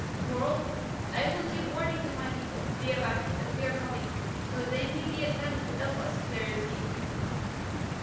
Moreover, I will give warning to my people, the Abati, that we are coming, so that they may be at hand to help us if there is need."